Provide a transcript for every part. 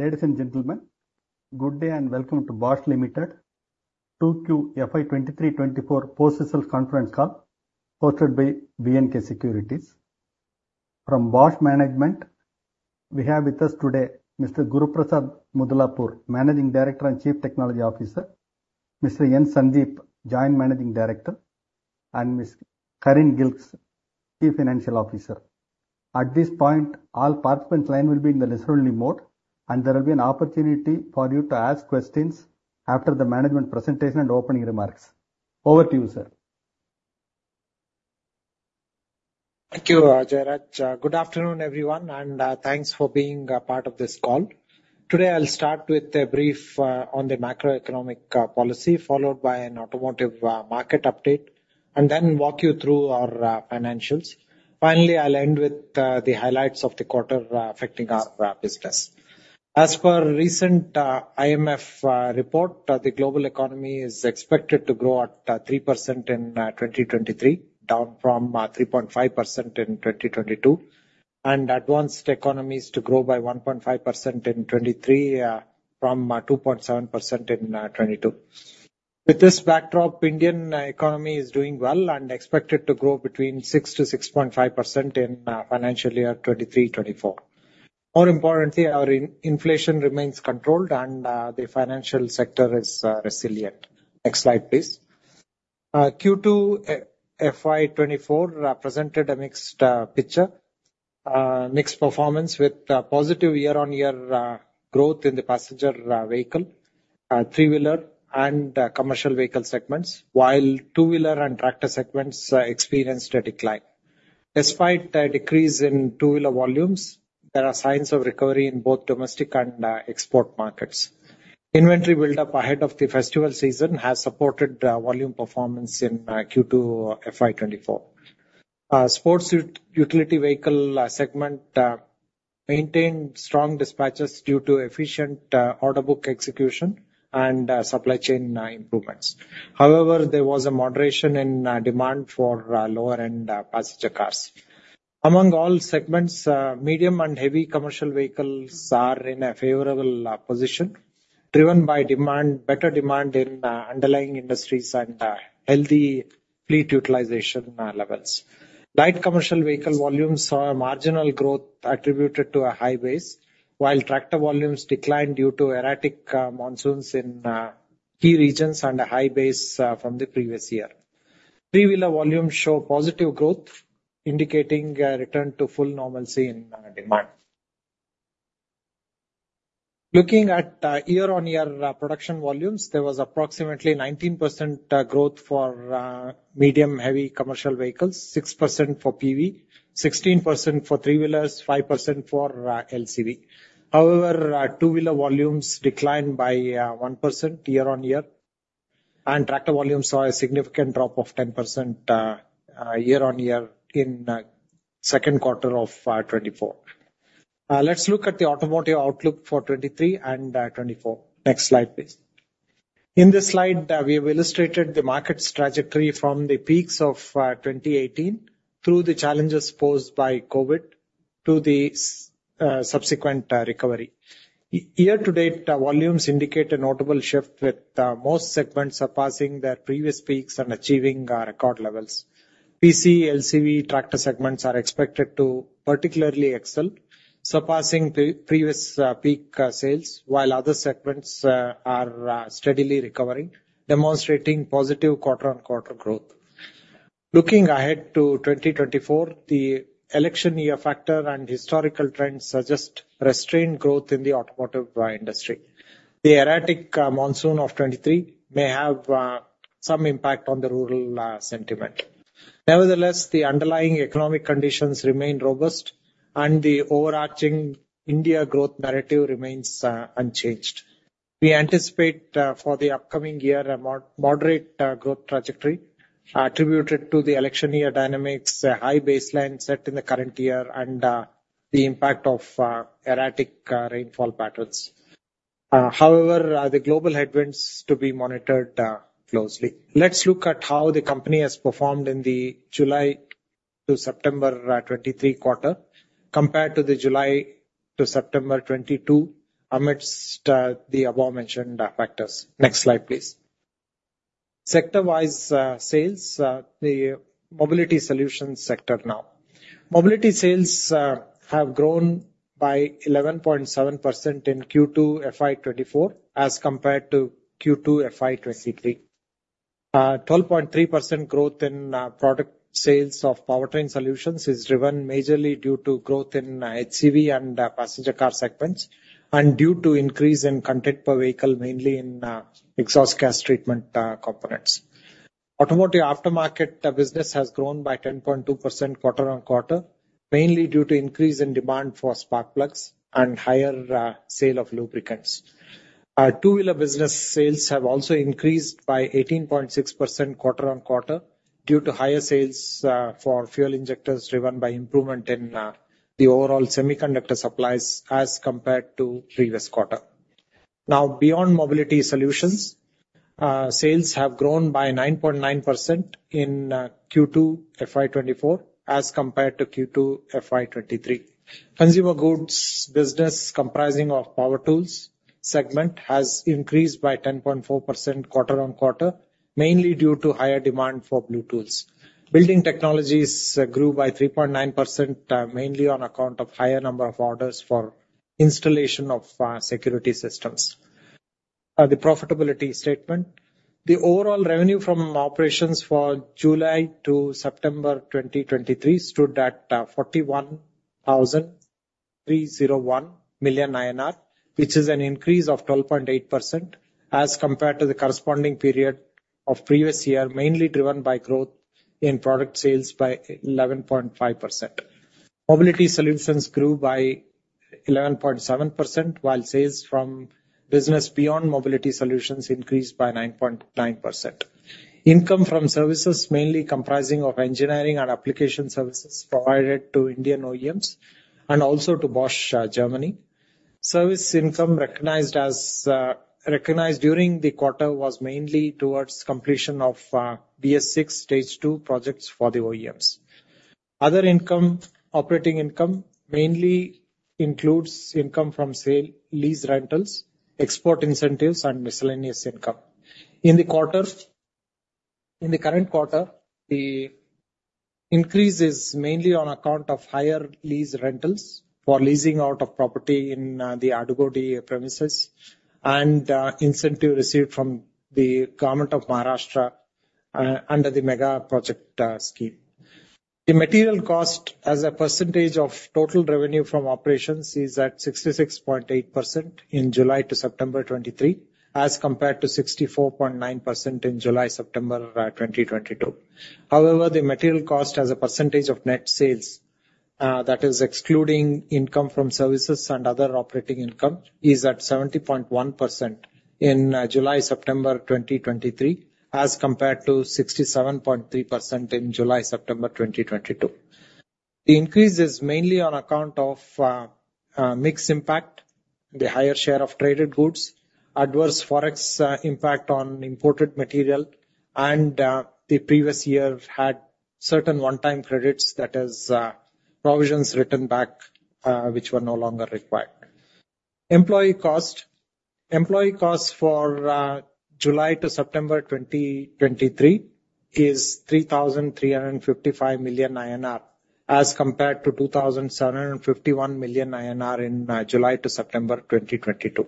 Ladies and gentlemen, good day and welcome to Bosch Limited 2Q FY 2023-24 Post-Results Conference Call, hosted by B&K Securities. From Bosch management, we have with us today Mr. Guruprasad Mudlapur, Managing Director and Chief Technology Officer, Mr. Sandeep Nelamangala, Joint Managing Director, and Ms. Karin Gilges, Chief Financial Officer. At this point, all participant lines will be in the listen-only mode, and there will be an opportunity for you to ask questions after the management presentation and opening remarks. Over to you, sir. Thank you, Jayraj. Good afternoon, everyone, and thanks for being a part of this call. Today, I'll start with a brief on the macroeconomic policy, followed by an automotive market update, and then walk you through our financials. Finally, I'll end with the highlights of the quarter affecting our business. As per recent IMF report, the global economy is expected to grow at 3% in 2023, down from 3.5% in 2022. Advanced economies to grow by 1.5% in 2023 from 2.7% in 2022. With this backdrop, Indian economy is doing well and expected to grow between 6%-6.5% in financial year 2023-24. More importantly, our inflation remains controlled and the financial sector is resilient. Next slide, please. Q2 FY 2024 presented a mixed picture, mixed performance with positive year-on-year growth in the passenger vehicle, three-wheeler and commercial vehicle segments, while two-wheeler and tractor segments experienced a decline. Despite a decrease in two-wheeler volumes, there are signs of recovery in both domestic and export markets. Inventory build-up ahead of the festival season has supported volume performance in Q2 FY 2024. Sports Utility Vehicle segment maintained strong dispatches due to efficient order book execution and supply chain improvements. However, there was a moderation in demand for lower-end passenger cars. Among all segments, medium and heavy commercial vehicles are in a favorable position, driven by demand, better demand in underlying industries and healthy fleet utilization levels. Light commercial vehicle volumes saw a marginal growth attributed to a high base, while tractor volumes declined due to erratic monsoons in key regions and a high base from the previous year. Three-wheeler volumes show positive growth, indicating a return to full normalcy in demand. Looking at year-on-year production volumes, there was approximately 19% growth for medium/heavy commercial vehicles, 6% for PV, 16% for three-wheelers, 5% for LCV. However, two-wheeler volumes declined by 1% year-on-year, and tractor volumes saw a significant drop of 10% year-on-year in second quarter of 2024. Let's look at the automotive outlook for 2023 and 2024. Next slide, please. In this slide, we have illustrated the market's trajectory from the peaks of 2018 through the challenges posed by COVID to the subsequent recovery. Year to date, volumes indicate a notable shift, with most segments surpassing their previous peaks and achieving record levels. PC, LCV, tractor segments are expected to particularly excel, surpassing previous peak sales, while other segments are steadily recovering, demonstrating positive quarter-on-quarter growth. Looking ahead to 2024, the election year factor and historical trends suggest restrained growth in the automotive industry. The erratic monsoon of 2023 may have some impact on the rural sentiment. Nevertheless, the underlying economic conditions remain robust, and the overarching India growth narrative remains unchanged. We anticipate for the upcoming year, a moderate growth trajectory attributed to the election year dynamics, a high baseline set in the current year and the impact of erratic rainfall patterns. However, the global headwinds to be monitored closely. Let's look at how the company has performed in the July to September 2023 quarter, compared to the July to September 2022, amidst the above-mentioned factors. Next slide, please. Sector-wise sales, the Mobility Solutions sector now. Mobility sales have grown by 11.7% in Q2 FY 2024, as compared to Q2 FY 2023. 12.3% growth in product sales of powertrain solutions is driven majorly due to growth in HCV and passenger car segments, and due to increase in content per vehicle, mainly in exhaust gas treatment components. Automotive aftermarket business has grown by 10.2% quarter-on-quarter, mainly due to increase in demand for spark plugs and higher sale of lubricants. Our two-wheeler business sales have also increased by 18.6% quarter-on-quarter, due to higher sales for fuel injectors, driven by improvement in the overall semiconductor supplies as compared to previous quarter. Now, beyond Mobility Solutions, sales have grown by 9.9% in Q2 FY 2024 as compared to Q2 FY 2023. Consumer Goods business, comprising of power tools segment, has increased by 10.4% quarter-on-quarter, mainly due to higher demand for Blue tools. Building Technologies grew by 3.9%, mainly on account of higher number of orders for installation of security systems. Now, the profitability statement. The overall revenue from operations for July to September 2023 stood at 41,301 million INR, which is an increase of 12.8% as compared to the corresponding period of previous year, mainly driven by growth in product sales by 11.5%. Mobility Solutions grew by 11.7%, while sales from business beyond Mobility Solutions increased by 9.9%. Income from services mainly comprising of engineering and application services provided to Indian OEMs and also to Bosch Germany. Service income recognized during the quarter was mainly towards completion of BS VI Stage II projects for the OEMs. Other operating income mainly includes income from sale, lease rentals, export incentives and miscellaneous income. In the current quarter, the increase is mainly on account of higher lease rentals for leasing out of property in the Adugodi premises, and incentive received from the Government of Maharashtra under the mega project scheme. The material cost as a percentage of total revenue from operations is at 66.8% in July-September 2023, as compared to 64.9% in July-September 2022. However, the material cost as a percentage of net sales, that is excluding income from services and other operating income, is at 70.1% in July-September 2023, as compared to 67.3% in July-September 2022. The increase is mainly on account of mix impact, the higher share of traded goods, adverse Forex impact on imported material and the previous year had certain one-time credits, that is, provisions written back which were no longer required. Employee cost. Employee costs for July to September 2023 is 3,355 million INR, as compared to 2,751 million INR in July to September 2022.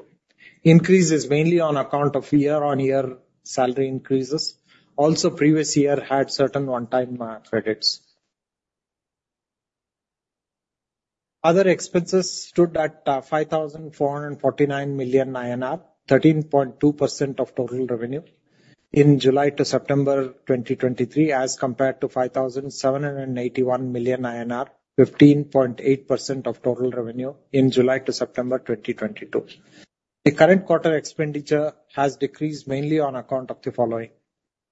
Increase is mainly on account of year-on-year salary increases. Also, previous year had certain one-time credits. Other expenses stood at 5,449 million INR, 13.2% of total revenue, in July to September 2023, as compared to 5,781 million INR, 15.8% of total revenue in July to September 2022. The current quarter expenditure has decreased mainly on account of the following: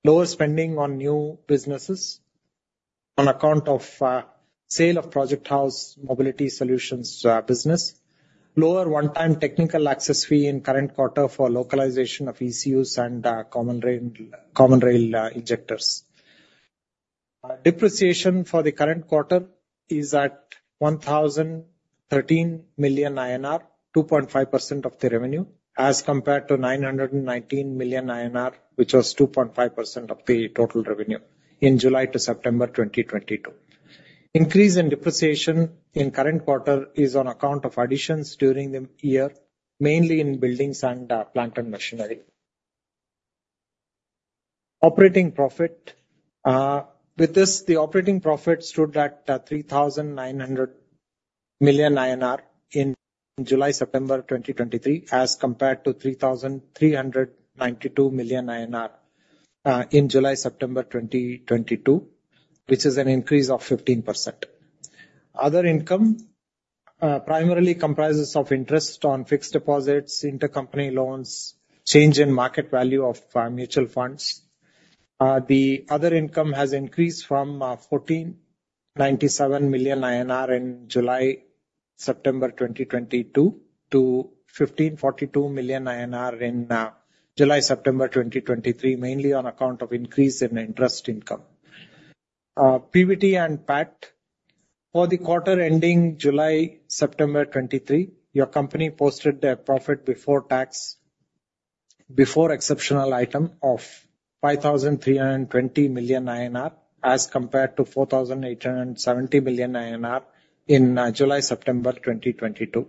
lower spending on new businesses, on account of sale of Project House Mobility Solutions business, lower one-time technical access fee in current quarter for localization of ECUs and Common Rail injectors. Depreciation for the current quarter is at 1,013 million INR, 2.5% of the revenue, as compared to 919 million INR, which was 2.5% of the total revenue in July to September 2022. Increase in depreciation in current quarter is on account of additions during the year, mainly in buildings and plant and machinery. Operating profit. With this, the operating profit stood at 3,900 million INR in July-September 2023, as compared to 3,392 million INR in July-September 2022, which is an increase of 15%. Other income primarily comprises of interest on fixed deposits, intercompany loans, change in market value of mutual funds. The other income has increased from 1,497 million INR in July-September 2022 to 1,542 million INR in July-September 2023, mainly on account of increase in interest income. PBT and PAT. For the quarter ending July-September 2023, your company posted a profit before tax, before exceptional item, of 5,320 million INR, as compared to 4,870 million INR in July-September 2022.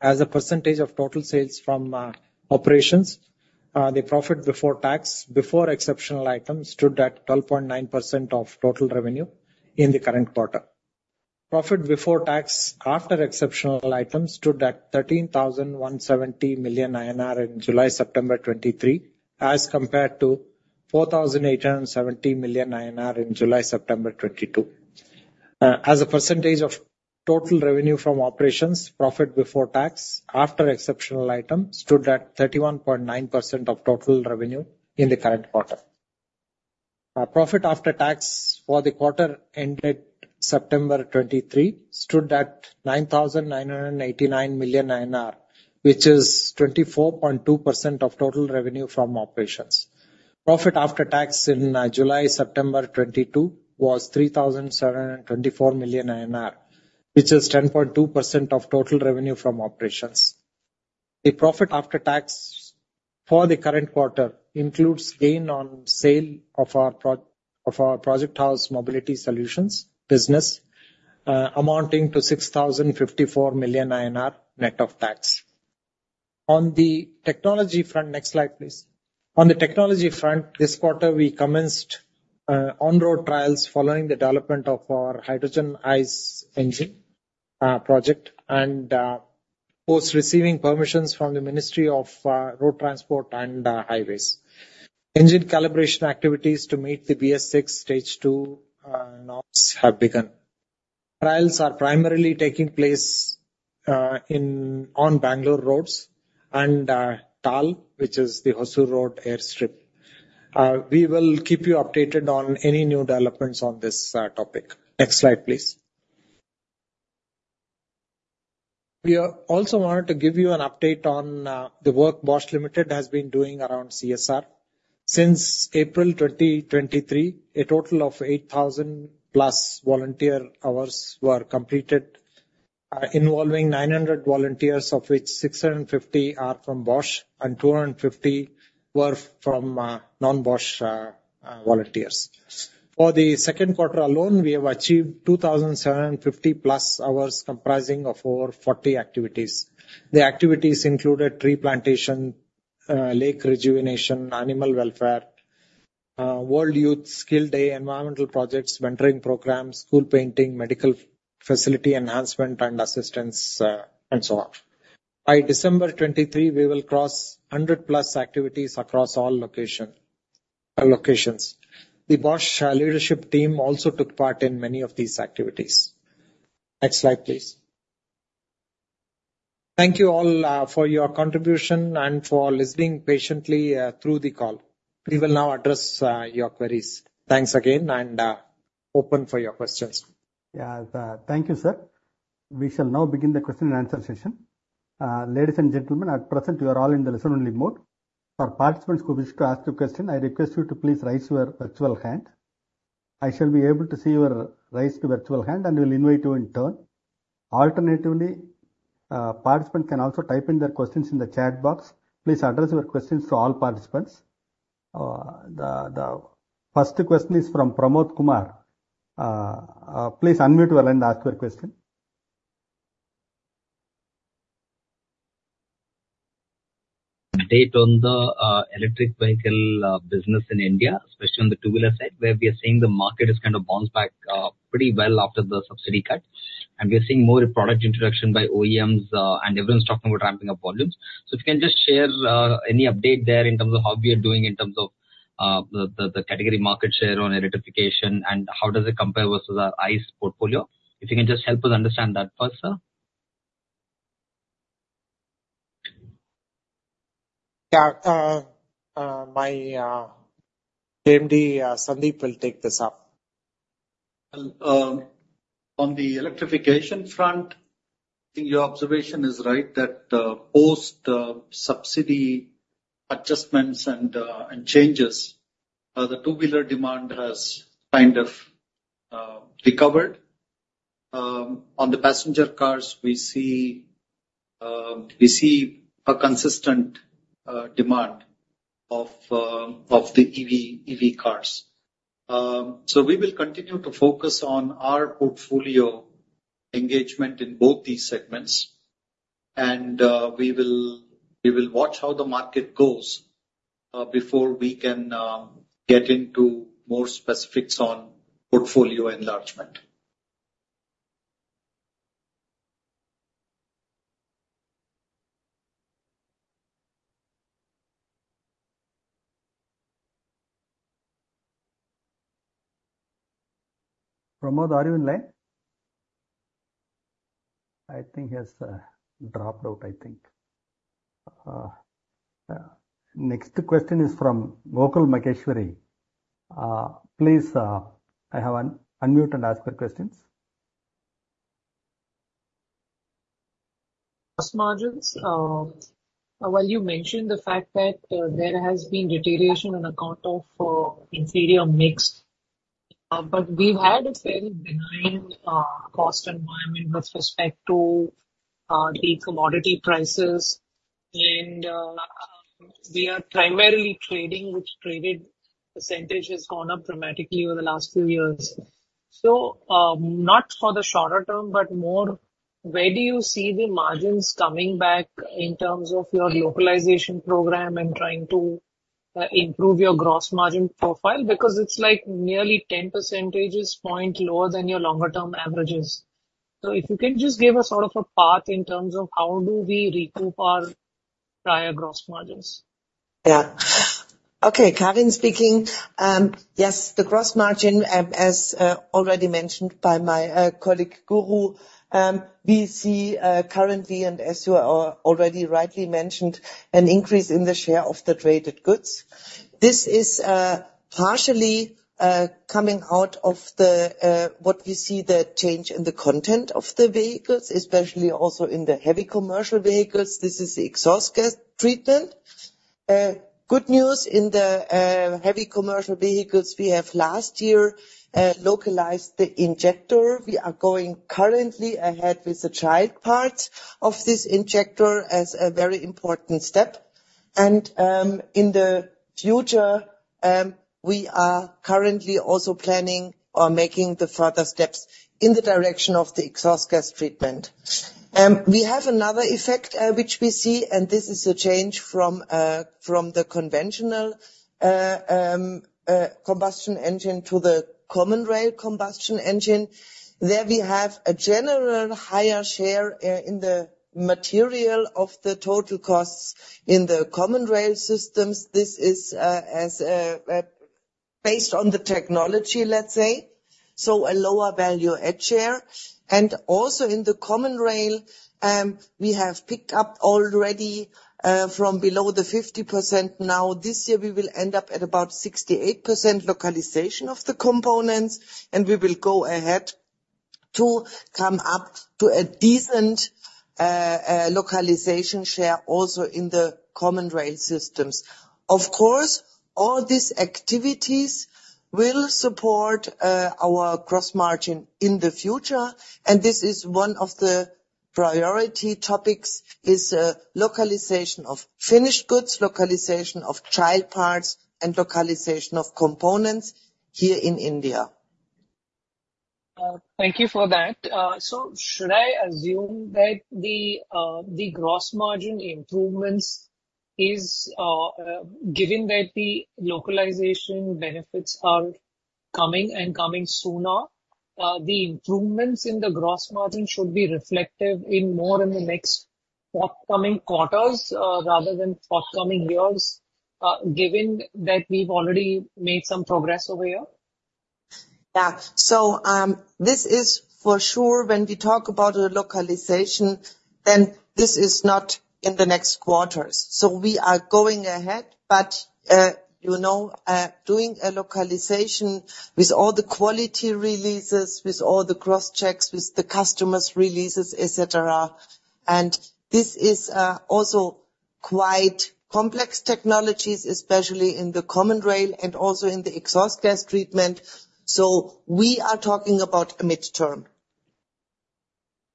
As a percentage of total sales from operations, the profit before tax, before exceptional items, stood at 12.9% of total revenue in the current quarter. Profit before tax, after exceptional items, stood at 13,170 million INR in July-September 2023, as compared to 4,870 million INR in July-September 2022. As a percentage of total revenue from operations, profit before tax, after exceptional items, stood at 31.9% of total revenue in the current quarter. Our profit after tax for the quarter ended September 2023 stood at 9,989 million INR, which is 24.2% of total revenue from operations. Profit after tax in July-September 2022 was 3,724 million INR, which is 10.2% of total revenue from operations. The profit after tax for the current quarter includes gain on sale of our Project House Mobility Solutions business, amounting to 6,054 million INR, net of tax. On the technology front, next slide, please. On the technology front, this quarter we commenced on-road trials following the development of our hydrogen ICE engine project, and post receiving permissions from the Ministry of Road Transport and Highways. Engine calibration activities to meet the BS VI Stage II norms have begun. Trials are primarily taking place on Bangalore roads and TAAL, which is the Hosur Road Airstrip. We will keep you updated on any new developments on this topic. Next slide, please. We also wanted to give you an update on the work Bosch Limited has been doing around CSR. Since April 2023, a total of 8,000+ volunteer hours were completed, involving 900 volunteers, of which 650 are from Bosch and 250 were from non-Bosch volunteers. For the second quarter alone, we have achieved 2,750+ hours, comprising of over 40 activities. The activities included tree plantation, lake rejuvenation, animal welfare, World Youth Skill Day, environmental projects, mentoring programs, school painting, medical facility enhancement and assistance, and so on. By December 2023, we will cross 100+ activities across all locations. The Bosch leadership team also took part in many of these activities. Next slide, please. Thank you all for your contribution and for listening patiently through the call. We will now address your queries. Thanks again, and open for your questions. Yeah, thank you, sir. We shall now begin the question and answer session. Ladies and gentlemen, at present, you are all in the listen-only mode. For participants who wish to ask a question, I request you to please raise your virtual hand. I shall be able to see your raised virtual hand, and will invite you in turn. Alternatively, participant can also type in their questions in the chat box. Please address your questions to all participants. The first question is from Pramod Kumar. Please unmute and ask your question. Data on the electric vehicle business in India, especially on the two-wheeler side, where we are seeing the market is kind of bounced back pretty well after the subsidy cut. And we are seeing more product introduction by OEMs, and everyone's talking about ramping up volumes. So if you can just share any update there in terms of how we are doing in terms of the category market share on electrification, and how does it compare versus our ICE portfolio? If you can just help us understand that first, sir. Yeah, my MD, Sandeep will take this up. Well, on the electrification front, I think your observation is right, that post subsidy adjustments and changes, the two-wheeler demand has kind of recovered. On the passenger cars, we see we see a consistent demand of of the EV, EV cars. So we will continue to focus on our portfolio engagement in both these segments, and we will we will watch how the market goes before we can get into more specifics on portfolio enlargement. Pramod, are you in line? I think he has dropped out, I think. Next question is from Gokul Maheshwari. Please, unmute and ask your questions. Margins. Well, you mentioned the fact that there has been deterioration on account of inferior mix. But we've had a very benign cost environment with respect to the commodity prices, and we are primarily trading, which traded percentage has gone up dramatically over the last few years. So, not for the shorter term, but more, where do you see the margins coming back in terms of your localization program and trying to improve your gross margin profile? Because it's, like, nearly 10 percentage points lower than your longer term averages. So if you can just give a sort of a path in terms of how do we recoup our prior gross margins? Yeah. Okay, Karin speaking. Yes, the gross margin, as already mentioned by my colleague, Guru, we see currently, and as you are already rightly mentioned, an increase in the share of the traded goods. This is partially coming out of the what we see the change in the content of the vehicles, especially also in the heavy commercial vehicles. This is the exhaust gas treatment. Good news in the heavy commercial vehicles, we have last year localized the injector. We are going currently ahead with the child parts of this injector as a very important step. And, in the future, we are currently also planning or making the further steps in the direction of the exhaust gas treatment. We have another effect, which we see, and this is a change from the conventional combustion engine to the Common Rail combustion engine. There we have a general higher share in the material of the total costs in the Common Rail systems. This is based on the technology, let's say, so a lower value add share. And also in the Common Rail, we have picked up already from below the 50%. Now, this year we will end up at about 68% localization of the components, and we will go ahead to come up to a decent localization share also in the Common Rail systems. Of course, all these activities will support our gross margin in the future, and this is one of the priority topics, is localization of finished goods, localization of child parts, and localization of components here in India. Thank you for that. So should I assume that the gross margin improvements is given that the localization benefits are coming and coming sooner, the improvements in the gross margin should be reflective in more in the next forthcoming quarters rather than forthcoming years, given that we've already made some progress over here? Yeah. So, this is for sure, when we talk about the localization, then this is not in the next quarters. So we are going ahead, but, you know, doing a localization with all the quality releases, with all the cross-checks, with the customers releases, et cetera, and this is also quite complex technologies, especially in the Common Rail and also in the exhaust gas treatment. So we are talking about a mid-term.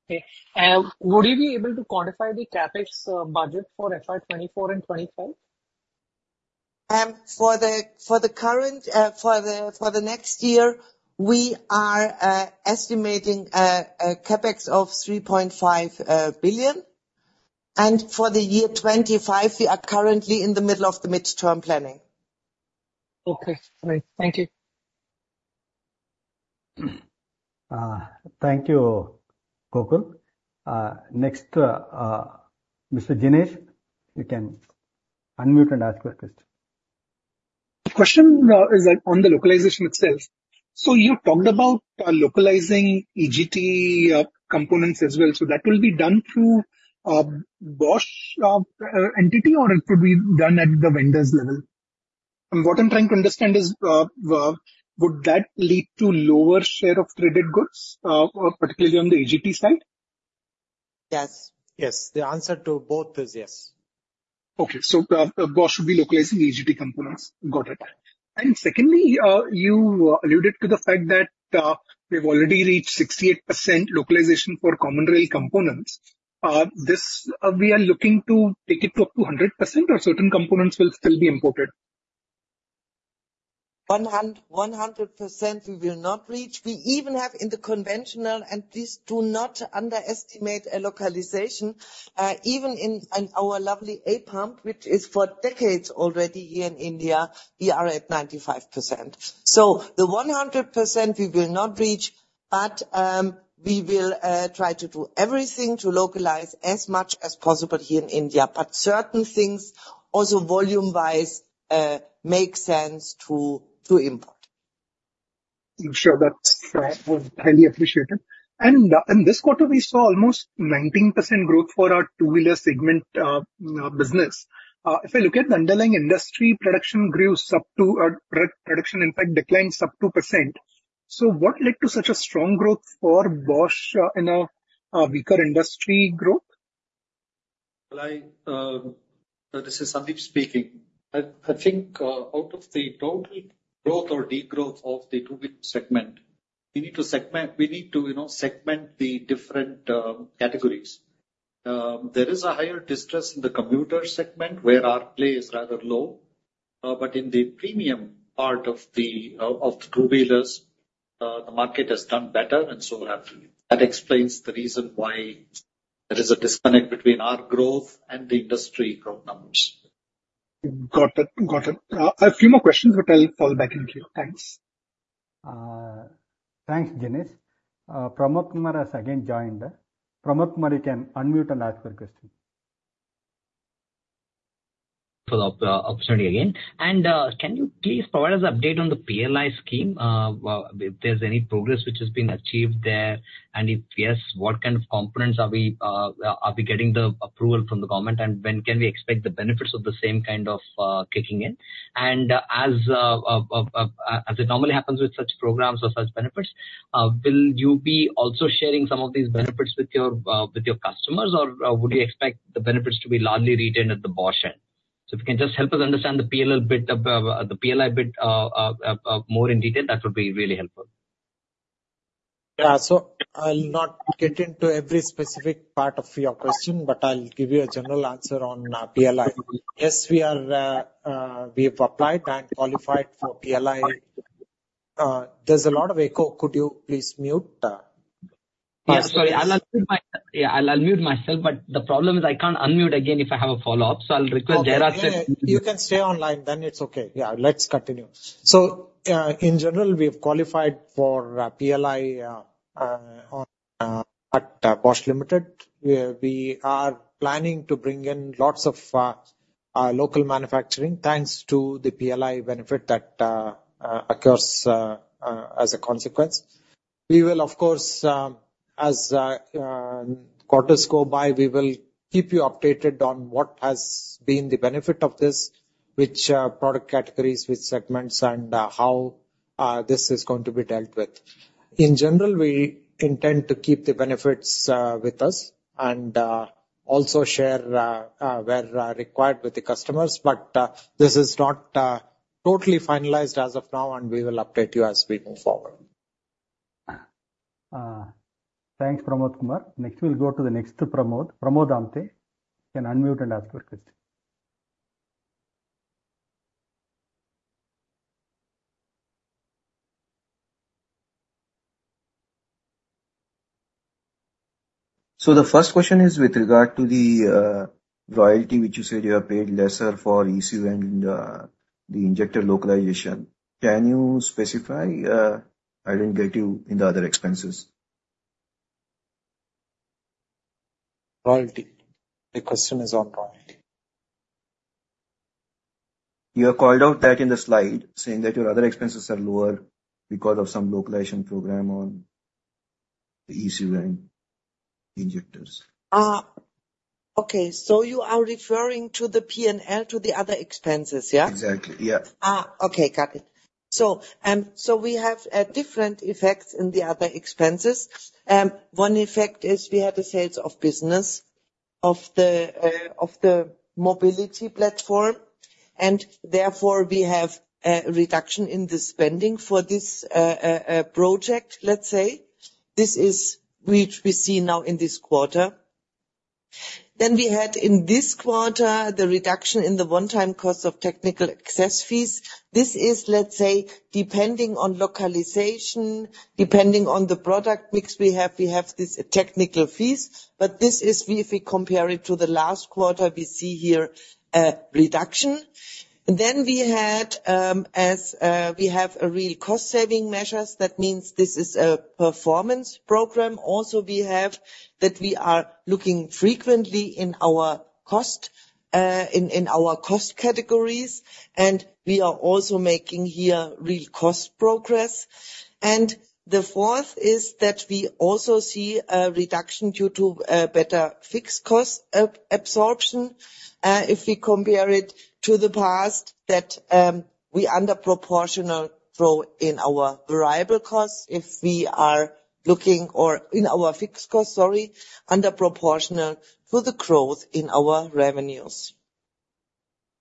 Okay. And would you be able to quantify the CapEx budget for FY 2024 and 2025? For the current, for the next year, we are estimating a CapEx of 3.5 billion. For the year 2025, we are currently in the middle of the mid-term planning. Okay, great. Thank you. Thank you, Gokul. Next, Mr. Jinesh, you can unmute and ask your question. The question is on the localization itself. So you talked about localizing EGT components as well. So that will be done through Bosch entity, or it will be done at the vendors level? And what I'm trying to understand is would that lead to lower share of traded goods, particularly on the EGT side? Yes. Yes. The answer to both is yes. Okay. So, Bosch should be localizing EGT components. Got it. Secondly, you alluded to the fact that we've already reached 68% localization for Common Rail components. We are looking to take it up to 100%, or certain components will still be imported? 100%, we will not reach. We even have in the conventional, and please do not underestimate a localization, even in our lovely A pump, which is for decades already here in India, we are at 95%. So the 100% we will not reach, but we will try to do everything to localize as much as possible here in India. But certain things also volume-wise make sense to import. Sure, that was highly appreciated. In this quarter, we saw almost 19% growth for our two-wheeler segment business. If I look at the underlying industry, production grew sub 2%, in fact, production declined sub 2%. So what led to such a strong growth for Bosch in a weaker industry growth? Well, this is Sandeep speaking. I think, out of the total growth or degrowth of the two-wheeler segment, we need to segment, we need to, you know, segment the different categories. There is a higher distress in the commuter segment, where our play is rather low, but in the premium part of the two-wheelers, the market has done better and so have we. That explains the reason why there is a disconnect between our growth and the industry growth numbers. Got it. Got it. I have a few more questions, but I'll fall back in queue. Thanks. Thanks, Jinesh. Pramod Kumar has again joined. Pramod Kumar, you can unmute and ask your question. For the opportunity again. And, can you please provide us an update on the PLI scheme? If there's any progress which has been achieved there, and if yes, what kind of components are we, are we getting the approval from the government, and when can we expect the benefits of the same kind of kicking in? And as it normally happens with such programs or such benefits, will you be also sharing some of these benefits with your, with your customers, or, would you expect the benefits to be largely retained at the Bosch end? So if you can just help us understand the PL bit of the PLI bit more in detail, that would be really helpful. Yeah. So I'll not get into every specific part of your question, but I'll give you a general answer on PLI. Yes, we are, we have applied and qualified for PLI. There's a lot of echo. Could you please mute? Yeah, sorry. I'll unmute my. Yeah, I'll, I'll mute myself, but the problem is I can't unmute again if I have a follow-up, so I'll request there are. You can stay online, then it's okay. Yeah, let's continue. So, in general, we've qualified for PLI at Bosch Limited. We are planning to bring in lots of local manufacturing, thanks to the PLI benefit that occurs as a consequence. We will, of course, as quarters go by, keep you updated on what has been the benefit of this, which product categories, which segments, and how this is going to be dealt with. In general, we intend to keep the benefits with us, and also share where required with the customers. But this is not totally finalized as of now, and we will update you as we move forward. Thanks, Pramod Kumar. Next, we'll go to the next Pramod, Pramod Amte. You can unmute and ask your question. So the first question is with regard to the royalty, which you said you have paid lesser for ECU and the injector localization. Can you specify? I didn't get you in the other expenses? Royalty. The question is on royalty. You have called out that in the slide, saying that your other expenses are lower because of some localization program on the ECU and injectors. Okay, so you are referring to the P&L, to the other expenses, yeah? Exactly, yeah. Okay, got it. So, we have different effects in the other expenses. One effect is we have a sale of business of the mobility platform, and therefore, we have a reduction in the spending for this project, let's say. This is which we see now in this quarter. Then we had, in this quarter, the reduction in the one-time cost of technical access fees. This is, let's say, depending on localization, depending on the product mix we have, we have these technical fees, but this is if we compare it to the last quarter, we see here a reduction. Then we had several cost-saving measures, that means this is a performance program. Also, we have that we are looking frequently in our cost categories, and we are also making here real cost progress. And the fourth is that we also see a reduction due to better fixed cost absorption. If we compare it to the past, we under-proportional growth in our variable costs, or in our fixed cost, under-proportional to the growth in our revenues.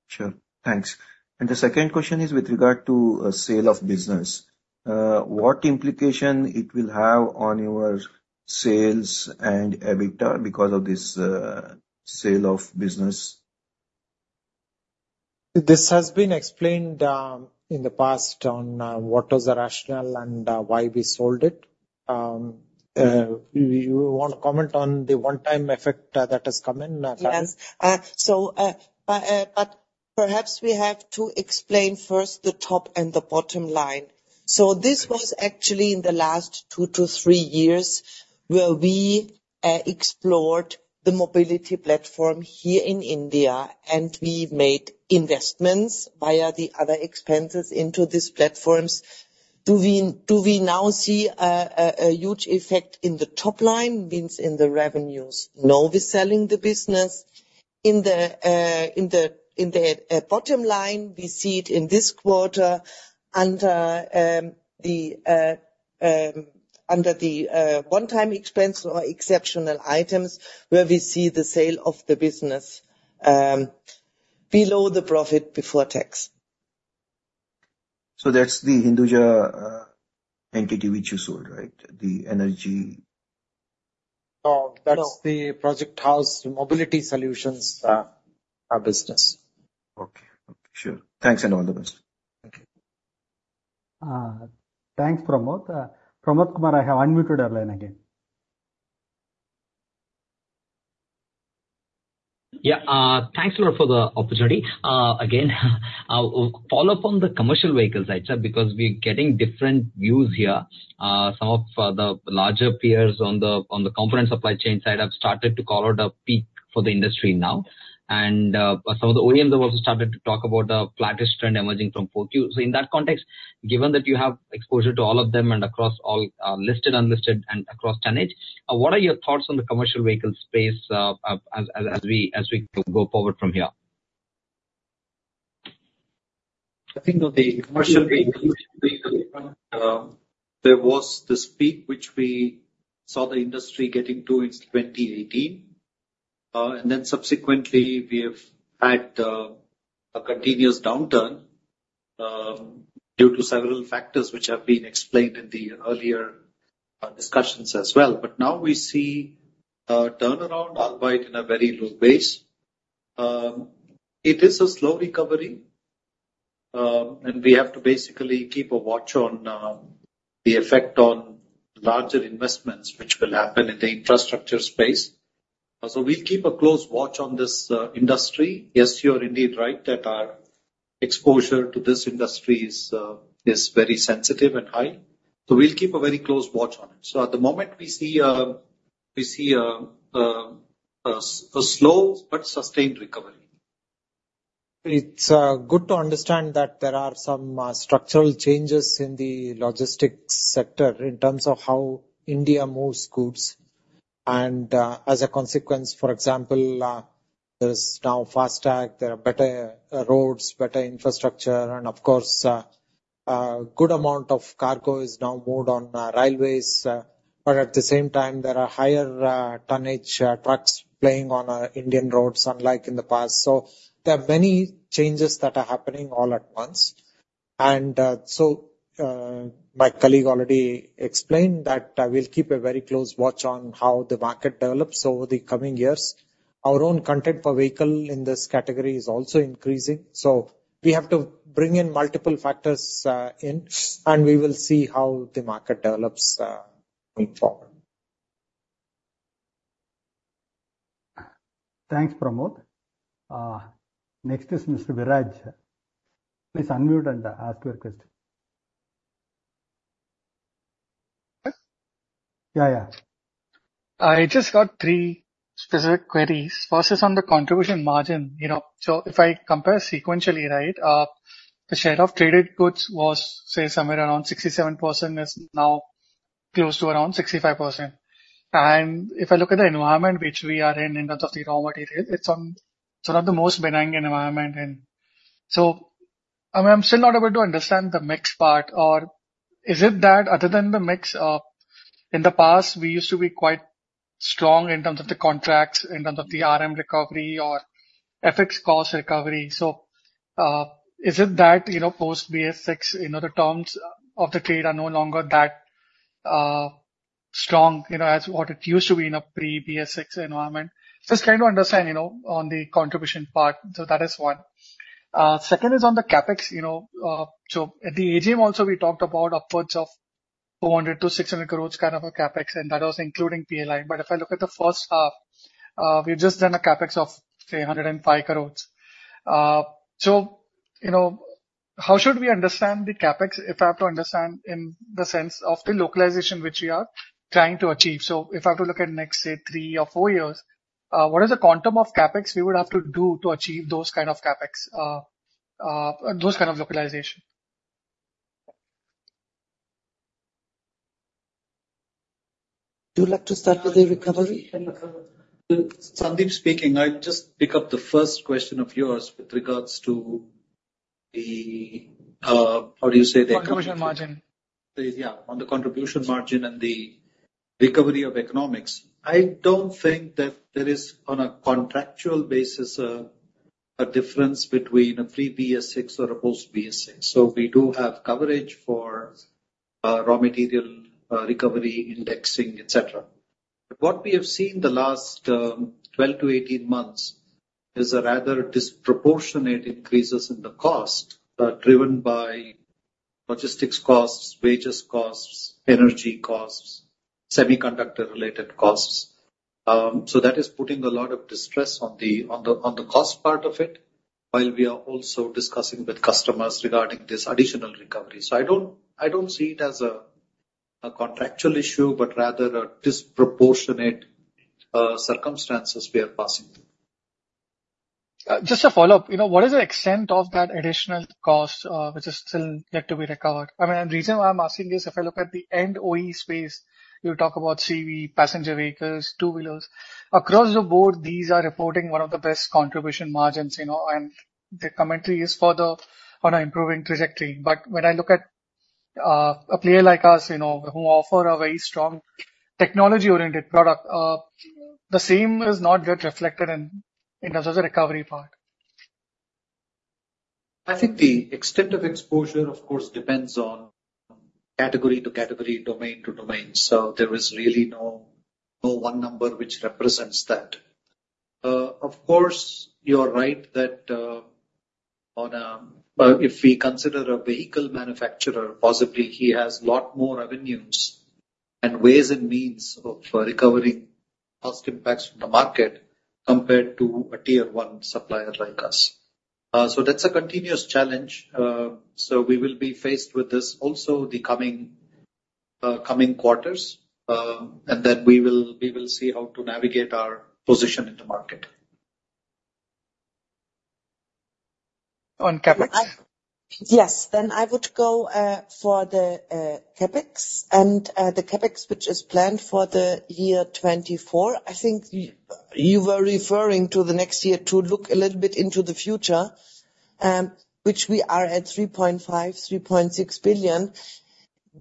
Sure. Thanks. The second question is with regard to sale of business. What implication it will have on your sales and EBITDA because of this sale of business? This has been explained in the past on what was the rationale and why we sold it. You want to comment on the one-time effect that has come in, Karin? Yes. So, but perhaps we have to explain first the top and the bottom line. So this was actually in the last two-three years, where we explored the mobility platform here in India, and we made investments via the other expenses into these platforms. Do we now see a huge effect in the top line, means in the revenues? No, we're selling the business. In the bottom line, we see it in this quarter under the one-time expense or exceptional items, where we see the sale of the business below the profit before tax. So that's the Hinduja entity which you sold, right? The energy. No, that's the project house Mobility Solutions business. Okay. Sure. Thanks, and all the best. Thank you. Thanks, Pramod. Pramod Kumar, I have unmuted your line again. Yeah, thanks a lot for the opportunity. Again, follow up on the commercial vehicles side, sir, because we're getting different views here. Some of the larger peers on the component supply chain side have started to call out a peak for the industry now. And, so the OEM have also started to talk about the flattish trend emerging from 4Q. So in that context, given that you have exposure to all of them and across all, listed, unlisted, and across tonnage, what are your thoughts on the commercial vehicle space, as we go forward from here? I think on the commercial vehicle, there was this peak which we saw the industry getting to in 2018. And then subsequently, we have had a continuous downturn due to several factors which have been explained in the earlier discussions as well. But now we see a turnaround, albeit in a very low base. It is a slow recovery, and we have to basically keep a watch on the effect on larger investments, which will happen in the infrastructure space. So we'll keep a close watch on this industry. Yes, you are indeed right that our exposure to this industry is very sensitive and high, so we'll keep a very close watch on it. So at the moment, we see a slow but sustained recovery. It's good to understand that there are some structural changes in the logistics sector in terms of how India moves goods. And as a consequence, for example, there's now FASTag, there are better roads, better infrastructure, and of course a good amount of cargo is now moved on railways. But at the same time, there are higher tonnage trucks playing on Indian roads, unlike in the past. So there are many changes that are happening all at once. And so my colleague already explained that I will keep a very close watch on how the market develops over the coming years. Our own content per vehicle in this category is also increasing. So we have to bring in multiple factors in, and we will see how the market develops going forward. Thanks, Pramod. Next is Mr. Viraj. Please unmute and ask your question. Yes. Yeah, yeah. I just got three specific queries. First is on the contribution margin, you know. So if I compare sequentially, right, the share of traded goods was, say, somewhere around 67%, is now close to around 65%. And if I look at the environment which we are in, in terms of the raw material, it's, it's one of the most benign environment. And so, I mean, I'm still not able to understand the mix part, or is it that other than the mix, in the past, we used to be quite strong in terms of the contracts, in terms of the RM recovery or FX cost recovery. So, is it that, you know, post BSVI, you know, the terms of the trade are no longer that, strong, you know, as what it used to be in a pre-BSVI environment? Just trying to understand, you know, on the contribution part. So that is one. Second is on the CapEx, you know, so at the AGM also, we talked about upwards of 400-600 crores kind of a CapEx, and that was including PLI. But if I look at the first half, we've just done a CapEx of, say, 105 crores. So, you know, how should we understand the CapEx if I have to understand in the sense of the localization which we are trying to achieve? So if I have to look at next, say, three or four years, what is the quantum of CapEx we would have to do to achieve those kind of CapEx, those kind of localization? Would you like to start with the recovery? Sandeep speaking. I'd just pick up the first question of yours with regards to the, how do you say the. Contribution margin. Yeah, on the contribution margin and the recovery of economics. I don't think that there is, on a contractual basis, a difference between a pre-BSVI or a post-BSVI. So we do have coverage for raw material recovery, indexing, et cetera. But what we have seen the last 12-18 months is a rather disproportionate increases in the cost driven by logistics costs, wages costs, energy costs, semiconductor-related costs. So that is putting a lot of distress on the cost part of it, while we are also discussing with customers regarding this additional recovery. So I don't see it as a contractual issue, but rather a disproportionate circumstances we are passing through. Just a follow-up. You know, what is the extent of that additional cost, which is still yet to be recovered? I mean, and the reason why I'm asking this, if I look at the end OE space, you talk about CV, passenger vehicles, two-wheelers. Across the board, these are reporting one of the best contribution margins, you know, and the commentary is further on an improving trajectory. But when I look at, a player like us, you know, who offer a very strong technology-oriented product, the same is not yet reflected in terms of the recovery part. I think the extent of exposure, of course, depends on category to category, domain to domain, so there is really no, no one number which represents that. Of course, you're right that, if we consider a vehicle manufacturer, possibly he has a lot more revenues and ways and means for recovering cost impacts from the market compared to a Tier 1 supplier like us. So that's a continuous challenge. So we will be faced with this also the coming years, coming quarters, and then we will, we will see how to navigate our position in the market. On CapEx? Yes. Then I would go for the CapEx. The CapEx, which is planned for the year 2024, I think you were referring to the next year to look a little bit into the future, which we are at 3.5 billion-3.6 billion.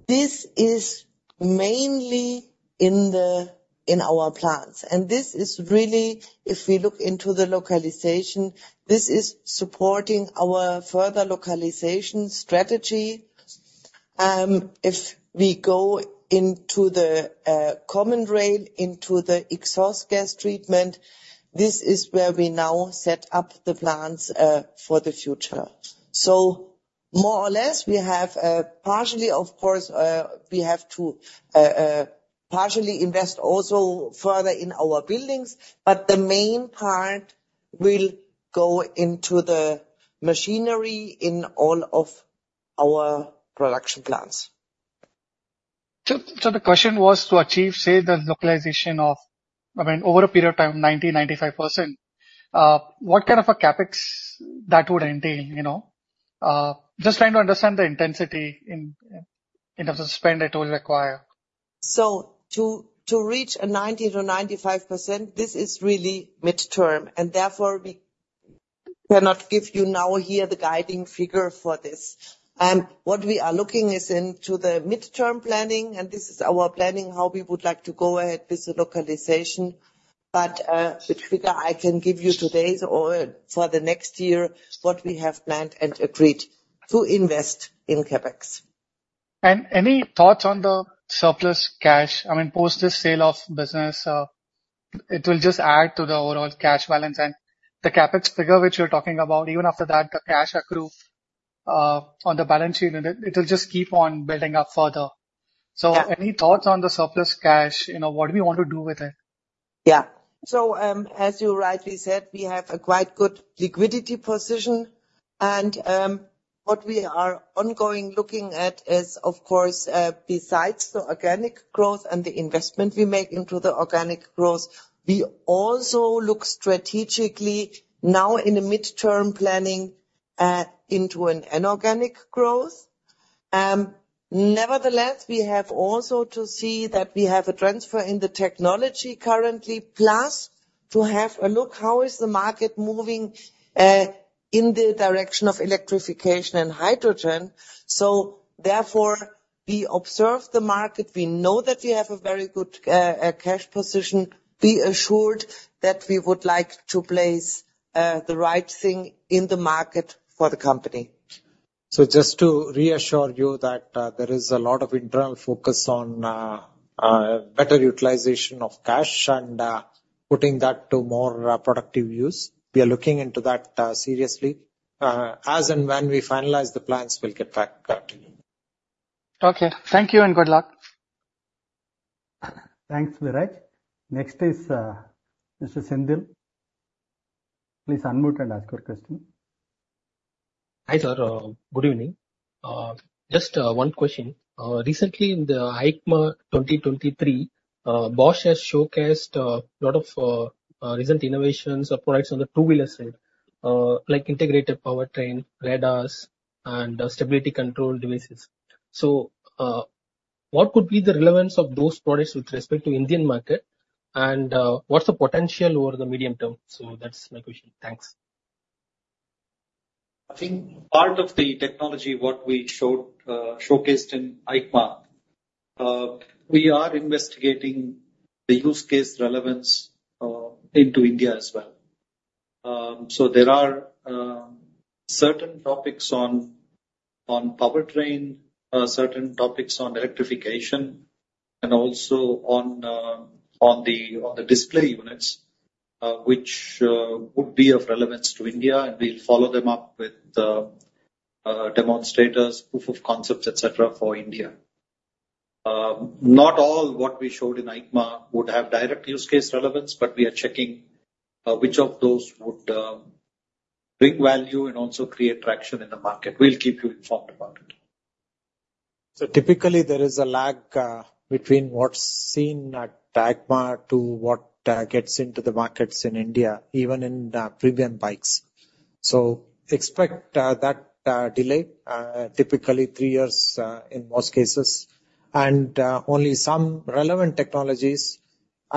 This is mainly in the, in our plans, and this is really, if we look into the localization, this is supporting our further localization strategy. If we go into the Common Rail, into the exhaust gas treatment, this is where we now set up the plans for the future. So more or less, we have partially, of course, we have to partially invest also further in our buildings, but the main part will go into the machinery in all of our production plants. So, the question was to achieve, say, the localization of, I mean, over a period of time, 90%-95%, what kind of a CapEx that would entail, you know? Just trying to understand the intensity in terms of spend it will require. So to reach a 90%-95%, this is really mid-term, and therefore we cannot give you now here the guiding figure for this. What we are looking is into the mid-term planning, and this is our planning, how we would like to go ahead with the localization. But, the figure I can give you today or for the next year, what we have planned and agreed to invest in CapEx. Any thoughts on the surplus cash? I mean, post the sale of business, it will just add to the overall cash balance and the CapEx figure, which you're talking about, even after that, the cash accrual on the balance sheet, and it, it'll just keep on building up further. Yeah. Any thoughts on the surplus cash? You know, what do we want to do with it? Yeah. So, as you rightly said, we have a quite good liquidity position. And, what we are ongoing looking at is of course, besides the organic growth and the investment we make into the organic growth, we also look strategically now in the mid-term planning, into an inorganic growth. Nevertheless, we have also to see that we have a transfer in the technology currently, plus to have a look, how is the market moving, in the direction of electrification and hydrogen. So therefore, we observe the market. We know that we have a very good, cash position. Be assured that we would like to place, the right thing in the market for the company. So just to reassure you that there is a lot of internal focus on better utilization of cash and putting that to more productive use. We are looking into that seriously. As and when we finalize the plans, we'll get back to you. Okay. Thank you, and good luck. Thanks, Viraj. Next is, Mr. Senthil. Please unmute and ask your question. Hi, sir. Good evening. Just one question. Recently in the EICMA 2023, Bosch has showcased a lot of recent innovations or products on the two-wheeler side, like integrated powertrain, radars, and stability control devices. So, what could be the relevance of those products with respect to the Indian market? And, what's the potential over the medium term? So that's my question. Thanks. I think part of the technologies what we showcased in EICMA we are investigating the use case relevance into India as well. So there are certain topics on powertrain, certain topics on electrification, and also on the display units which would be of relevance to India, and we'll follow them up with demonstrators, proof of concepts, et cetera, for India. Not all what we showed in EICMA would have direct use case relevance, but we are checking which of those would bring value and also create traction in the market. We'll keep you informed about it. Typically there is a lag between what's seen at EICMA to what gets into the markets in India, even in premium bikes. So expect that delay typically three years in most cases, and only some relevant technologies,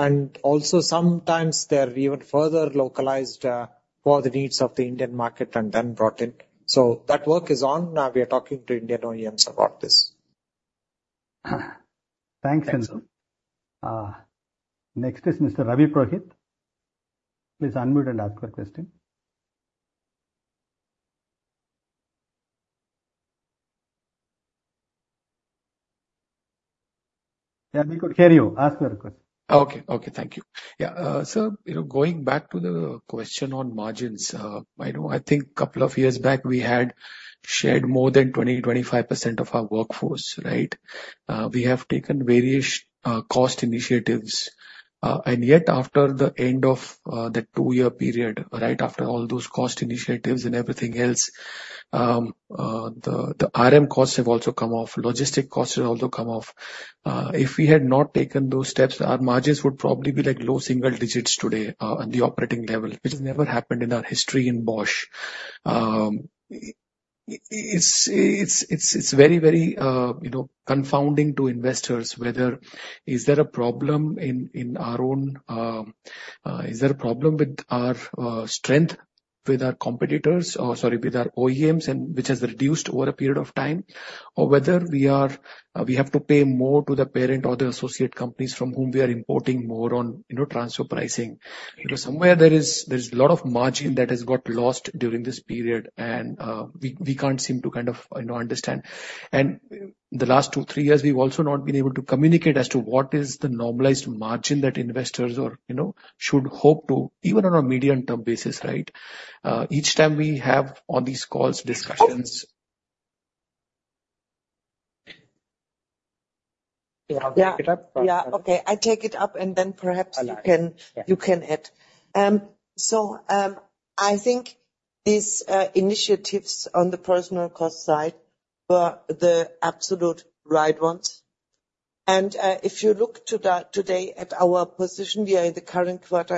and also sometimes they're even further localized for the needs of the Indian market and then brought in. So that work is on. We are talking to Indian OEMs about this. Thanks, Senthil. Next is Mr. Ravi Purohit. Please unmute and ask your question. Yeah, we could hear you. Ask your question. Okay. Okay, thank you. Yeah, so, you know, going back to the question on margins, I know I think couple of years back we had shed more than 20%-25% of our workforce, right? We have taken various cost initiatives, and yet after the end of the two-year period, right after all those cost initiatives and everything else, the RM costs have also come off, logistics costs have also come off. If we had not taken those steps, our margins would probably be like low single digits today, at the operating level, which has never happened in our history in Bosch. It's very, very, you know, confounding to investors, whether is there a problem in our own, is there a problem with our strength with our competitors, or sorry, with our OEMs, and which has reduced over a period of time? Or whether we are, we have to pay more to the parent or the associate companies from whom we are importing more on, you know, transfer pricing. You know, somewhere there is a lot of margin that has got lost during this period, and we can't seem to kind of, you know, understand. And the last two, three years, we've also not been able to communicate as to what is the normalized margin that investors are, you know, should hope to, even on a medium term basis, right? Each time we have on these calls, discussions. Yeah. Yeah. Pick it up? Yeah, okay, I take it up, and then perhaps. I like So, I think these initiatives on the personnel cost side were the absolute right ones. And, if you look to that today at our position, we are in the current quarter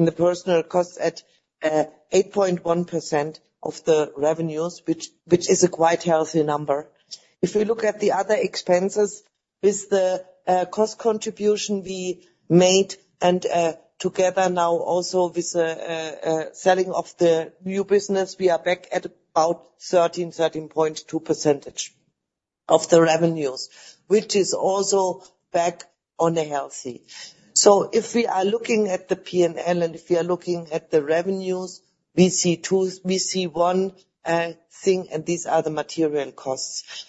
in the personnel costs at 8.1% of the revenues, which is a quite healthy number. If we look at the other expenses, with the cost contribution we made, and together now also with a selling of the new business, we are back at about 13, 13.2% of the revenues, which is also back on the healthy. So if we are looking at the P&L and if we are looking at the revenues, we see twos, we see one thing, and these are the material costs.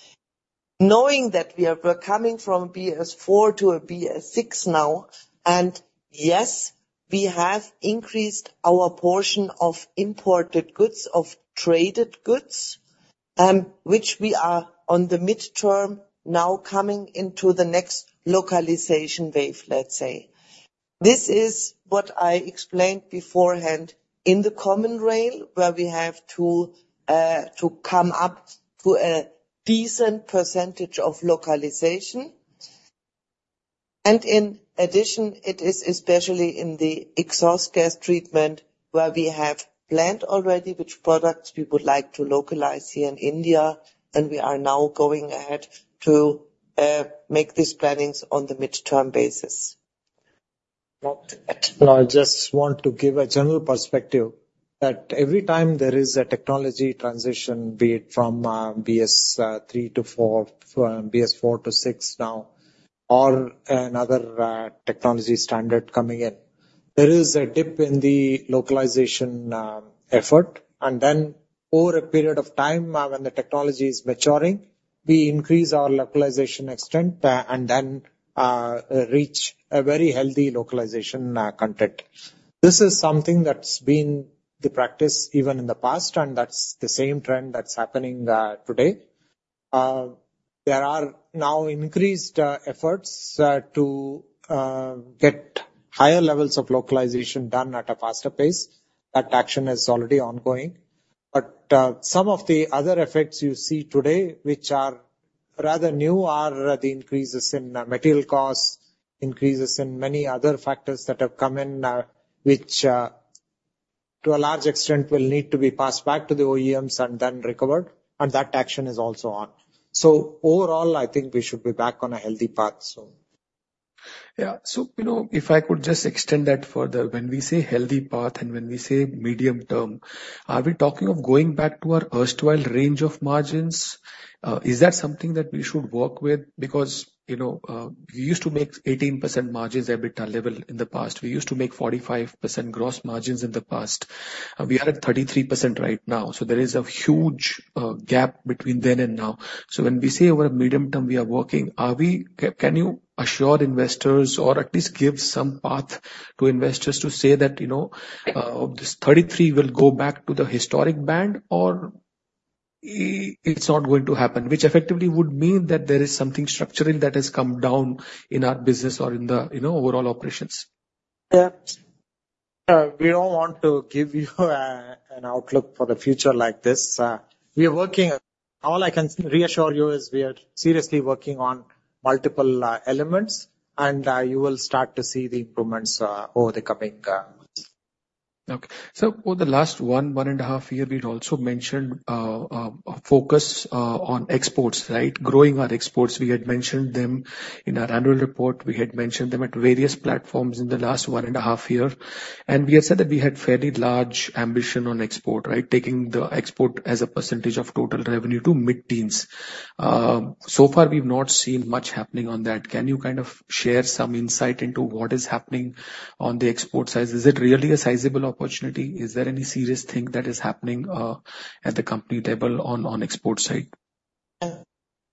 Knowing that we are, we're coming from BS IV to a BS VI now, and yes, we have increased our portion of imported goods, of traded goods, which we are on the mid-term now coming into the next localization wave, let's say. This is what I explained beforehand, in the Common Rail, where we have to come up to a decent percentage of localization. And in addition, it is especially in the exhaust gas treatment, where we have planned already which products we would like to localize here in India, and we are now going ahead to make these planning on the mid-term basis. Well, I just want to give a general perspective, that every time there is a technology transition, be it from BS III to BS IV, BS IV to BS VI now, or another technology standard coming in, there is a dip in the localization effort. And then over a period of time, when the technology is maturing, we increase our localization extent, and then reach a very healthy localization content. This is something that's been the practice even in the past, and that's the same trend that's happening today. There are now increased efforts to get higher levels of localization done at a faster pace. That action is already ongoing. But, some of the other effects you see today, which are rather new, are the increases in material costs, increases in many other factors that have come in, which, to a large extent, will need to be passed back to the OEMs and then recovered, and that action is also on. So overall, I think we should be back on a healthy path, so. Yeah. So, you know, if I could just extend that further. When we say healthy path and when we say medium term, are we talking of going back to our erstwhile range of margins? Is that something that we should work with? Because, you know, we used to make 18% margins, EBITDA level, in the past. We used to make 45% gross margins in the past, and we are at 33% right now, so there is a huge gap between then and now. So when we say over a medium term, we are working, can you assure investors or at least give some path to investors to say that, you know, this 33 will go back to the historic band, or it's not going to happen? Which effectively would mean that there is something structural that has come down in our business or in the, you know, overall operations. Yeah. We don't want to give you an outlook for the future like this. We are working. All I can reassure you is we are seriously working on multiple elements, and you will start to see the improvements over the coming months. Okay. So over the last 1.5 years, we've also mentioned a focus on exports, right? Growing our exports. We had mentioned them in our annual report. We had mentioned them at various platforms in the last 1.5 years. We had said that we had fairly large ambition on export, right? Taking the export as a percentage of total revenue to mid-teens. So far, we've not seen much happening on that. Can you kind of share some insight into what is happening on the export side? Is it really a sizable opportunity? Is there any serious thing that is happening at the company table on export side?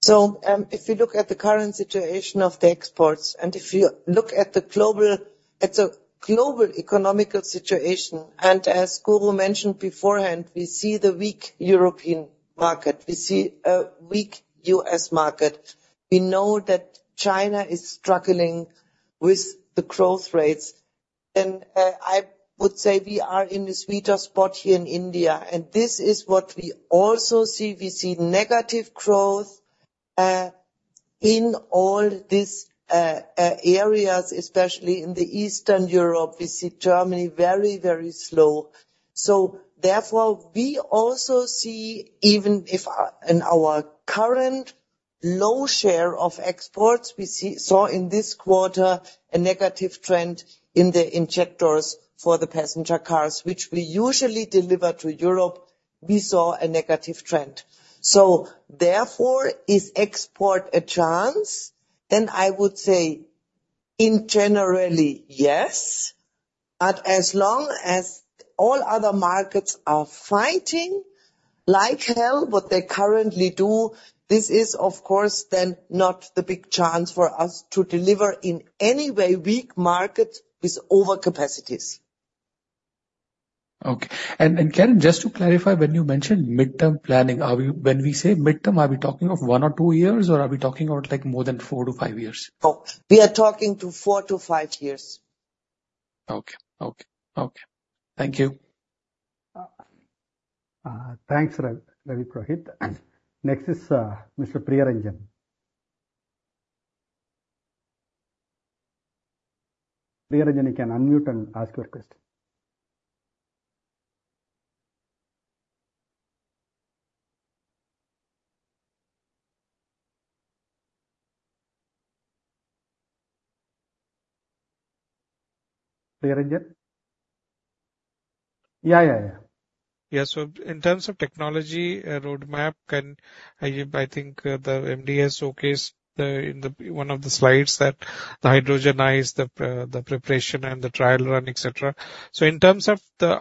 So, if you look at the current situation of the exports, and if you look at the global, at the global economic situation, and as Guru mentioned beforehand, we see the weak European market, we see a weak U.S. market. We know that China is struggling with the growth rates. And, I would say we are in a sweeter spot here in India, and this is what we also see. We see negative growth in all these areas, especially in Eastern Europe, we see Germany very, very slow. So therefore, we also see, even if in our current low share of exports, we saw in this quarter a negative trend in the injectors for the passenger cars, which we usually deliver to Europe, we saw a negative trend. So therefore, is export a chance? I would say, in general, yes, but as long as all other markets are fighting like hell, what they currently do, this is of course then not the big chance for us to deliver in any way weak market with overcapacities. Okay. And, and Karin, just to clarify, when you mentioned mid-term planning, are we, when we say mid-term, are we talking of one or two years, or are we talking about, like, more than four to five years? Oh, we are talking to four-five years. Okay. Okay. Okay. Thank you. Thanks, Ravi Purohit. Next is, Mr. Priyaranjan. Priyaranjan, you can unmute and ask your question. Priyaranjan? Yeah, yeah, yeah. Yeah. So in terms of technology roadmap, I think the MD's showcase in one of the slides that the hydrogen ICE, the preparation and the trial run, et cetera. So in terms of the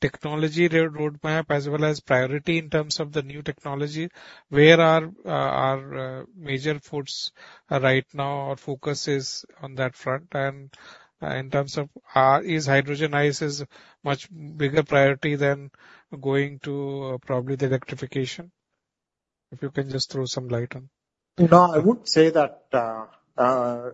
technology roadmap as well as priority in terms of the new technology, where are our major focus right now, or focus is on that front? And in terms of is hydrogen ICE is much bigger priority than going to probably the electrification? If you can just throw some light on. You know, I would say that,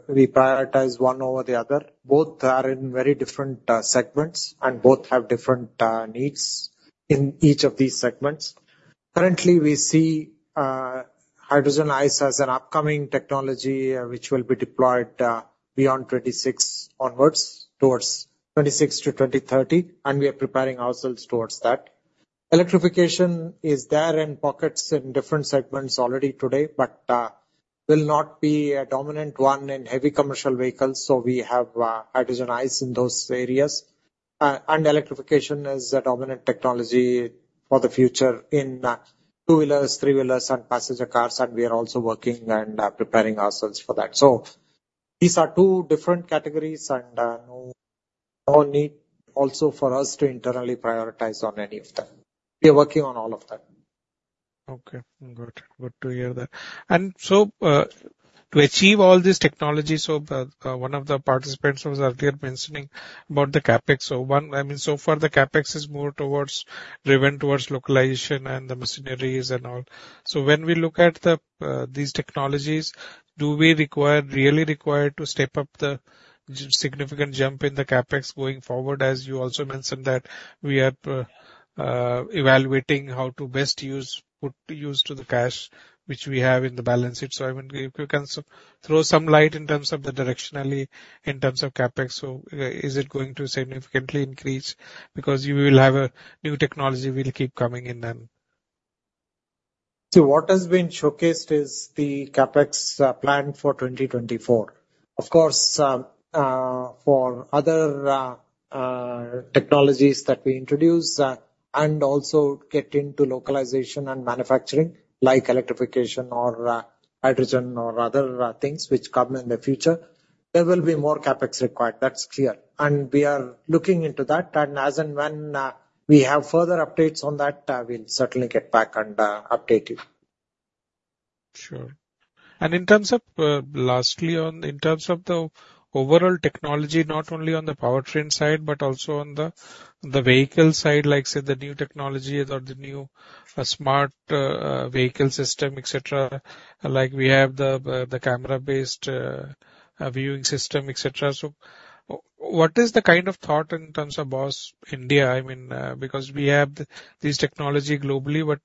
we prioritize one over the other. Both are in very different, segments, and both have different, needs in each of these segments. Currently, we see, hydrogen ICE as an upcoming technology, which will be deployed, beyond 2026 onwards, towards 2026 to 2030, and we are preparing ourselves towards that. Electrification is there in pockets in different segments already today, but, will not be a dominant one in heavy commercial vehicles, so we have, hydrogen ICE in those areas. And electrification is a dominant technology for the future in, two-wheelers, three-wheelers, and passenger cars, and we are also working and, preparing ourselves for that. So these are two different categories, and, no, no need also for us to internally prioritize on any of them. We are working on all of them. Okay, good. Good to hear that. And so, to achieve all these technologies, so the, one of the participants was earlier mentioning about the CapEx. So one, I mean, so far the CapEx is more towards, driven towards localization and the machineries and all. So when we look at the, these technologies, do we require, really require to step up the significant jump in the CapEx going forward? As you also mentioned that we are, evaluating how to best use, put use to the cash which we have in the balance sheet. So I mean, if you can throw some light in terms of the directionally, in terms of CapEx. So, is it going to significantly increase? Because you will have a new technology will keep coming in then. So what has been showcased is the CapEx plan for 2024. Of course, for other technologies that we introduce and also get into localization and manufacturing, like electrification or hydrogen or other things which come in the future, there will be more CapEx required, that's clear, and we are looking into that. And as and when we have further updates on that, we'll certainly get back and update you. Sure. And in terms of lastly, in terms of the overall technology, not only on the powertrain side, but also on the vehicle side, like, say, the new technology or the new smart vehicle system, et cetera, like we have the camera-based viewing system, et cetera. So what is the kind of thought in terms of Bosch India? I mean, because we have these technology globally, but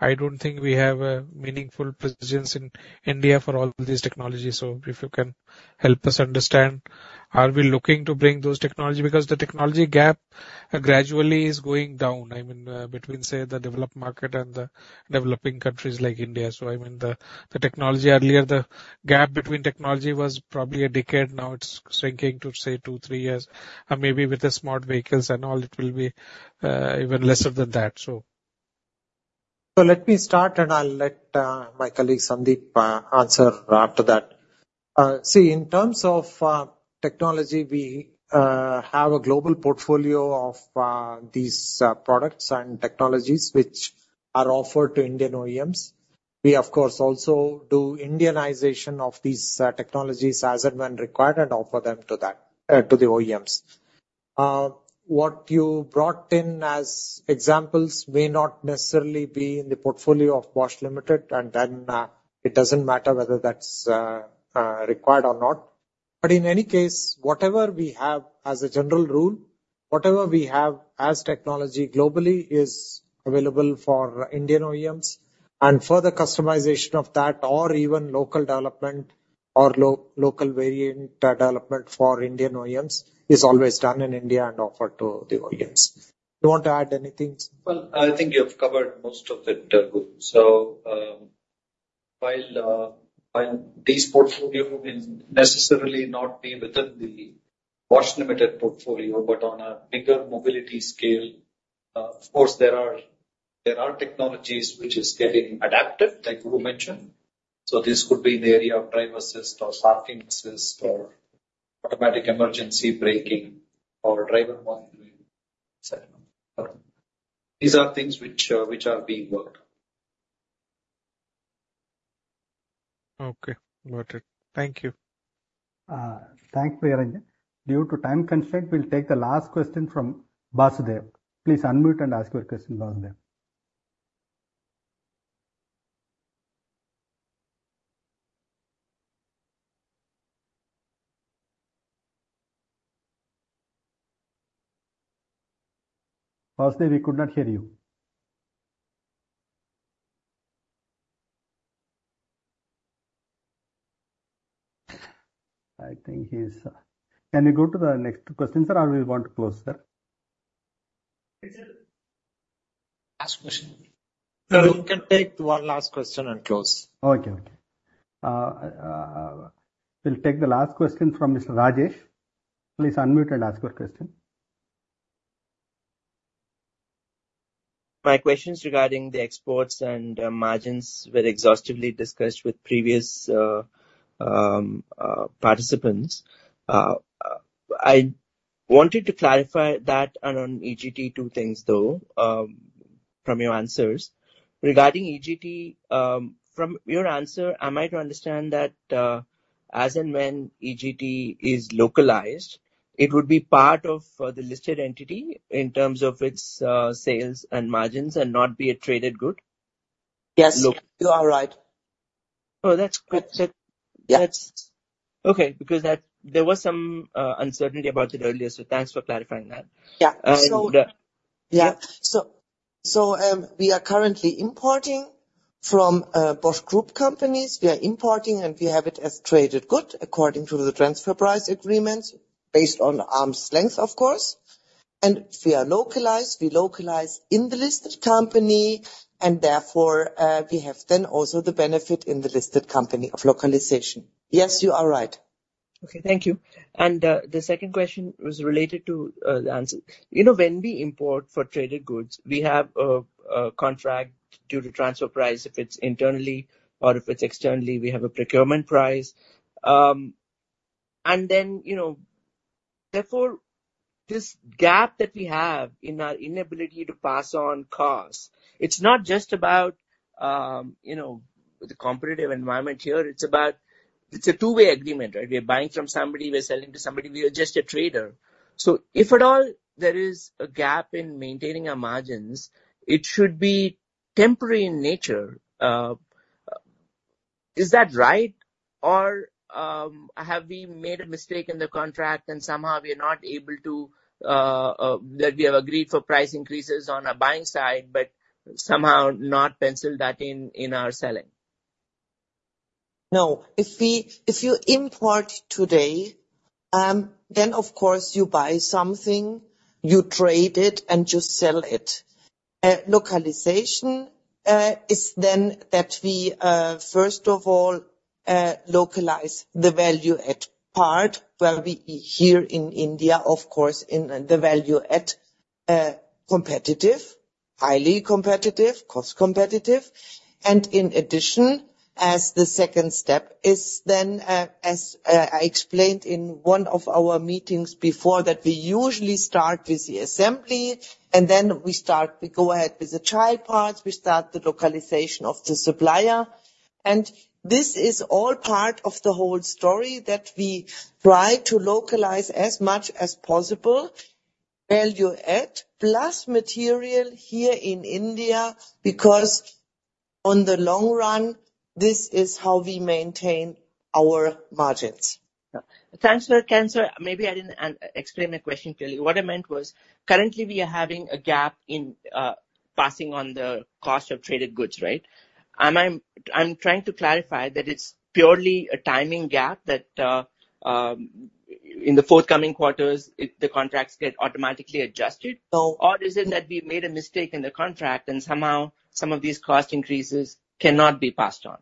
I don't think we have a meaningful presence in India for all these technologies. So if you can help us understand, are we looking to bring those technology? Because the technology gap gradually is going down, I mean, between, say, the developed market and the developing countries like India. So I mean, the technology earlier, the gap between technology was probably a decade, now it's shrinking to, say, two, three years, and maybe with the smart vehicles and all, it will be even lesser than that, so. So let me start, and I'll let my colleague, Sandeep, answer after that. See, in terms of technology, we have a global portfolio of these products and technologies which are offered to Indian OEMs. We, of course, also do Indianization of these technologies as and when required and offer them to that, to the OEMs. What you brought in as examples may not necessarily be in the portfolio of Bosch Limited, and then it doesn't matter whether that's required or not. But in any case, whatever we have as a general rule, whatever we have as technology globally, is available for Indian OEMs, and further customization of that, or even local development or local variant development for Indian OEMs, is always done in India and offered to the OEMs. You want to add anything, Sir? Well, I think you have covered most of it, so, while this portfolio may necessarily not be within the Bosch Limited portfolio, but on a bigger mobility scale, of course, there are technologies which is getting adapted, like you mentioned. So this could be in the area of driver assist or parking assist or automatic emergency braking or driver monitoring, et cetera. These are things which are being worked on. Okay, got it. Thank you. Thank you, Priyaranjan. Due to time constraint, we'll take the last question from Vasudev. Please unmute and ask your question, Vasudev. Vasudev, we could not hear you. I think he's. Can we go to the next question, sir, or we want to close, sir? Last question. We can take one last question and close. Okay, okay. We'll take the last question from Mr. Rajesh. Please unmute and ask your question. My question is regarding the exports and margins, were exhaustively discussed with previous participants. I wanted to clarify that and on EGT, two things, though, from your answers. Regarding EGT, from your answer, am I to understand that, as and when EGT is localized, it would be part of the listed entity in terms of its sales and margins, and not be a traded good? Yes, you are right. Oh, that's great. Yeah. That's okay, because that, there was some uncertainty about it earlier, so thanks for clarifying that. Yeah. Yeah. Yeah. So, so, we are currently importing from, Bosch Group companies. We are importing, and we have it as traded good, according to the transfer price agreements, based on arm's length, of course. And we are localized, we localize in the listed company, and therefore, we have then also the benefit in the listed company of localization. Yes, you are right. Okay, thank you. And the second question was related to the answer. You know, when we import for traded goods, we have a contract due to transfer price if it's internally, or if it's externally, we have a procurement price. And then, you know, therefore, this gap that we have in our inability to pass on costs, it's not just about you know, the competitive environment here, it's about, it's a two-way agreement, right? We're buying from somebody, we're selling to somebody, we are just a trader. So if at all, there is a gap in maintaining our margins, it should be temporary in nature. Is that right? Or, have we made a mistake in the contract and somehow we are not able to, that we have agreed for price increases on a buying side, but somehow not penciled that in, in our selling? No. If we, if you import today, then, of course, you buy something, you trade it, and you sell it. Localization is then that we, first of all, localize the value add part, where we here in India, of course, in the value add, competitive, highly competitive, cost competitive. And in addition, as the second step is then, as, I explained in one of our meetings before, that we usually start with the assembly, and then we start, we go ahead with the child parts, we start the localization of the supplier. And this is all part of the whole story, that we try to localize as much as possible, value add, plus material here in India, because on the long run, this is how we maintain our margins. Yeah. Thanks for the answer. Maybe I didn't explain my question clearly. What I meant was, currently, we are having a gap in passing on the cost of traded goods, right? And I'm trying to clarify that it's purely a timing gap, that in the forthcoming quarters, the contracts get automatically adjusted? No. Or is it that we made a mistake in the contract, and somehow some of these cost increases cannot be passed on?